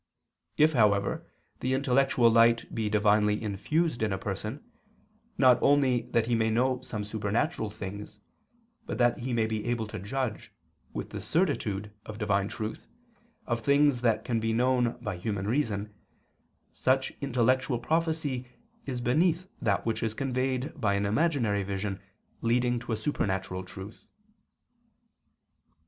If, however, the intellectual light be divinely infused in a person, not that he may know some supernatural things, but that he may be able to judge, with the certitude of divine truth, of things that can be known by human reason, such intellectual prophecy is beneath that which is conveyed by an imaginary vision leading to a supernatural truth.